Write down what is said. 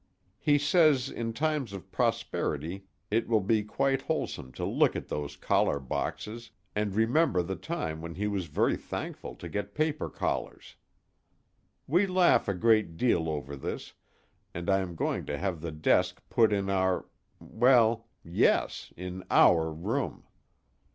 He says in times of prosperity it will be quite wholesome to look at those collar boxes, and remember the time when he was very thankful to get paper collars. We laugh a great deal over this, and I am going to have the desk put in our well, yes, in our room.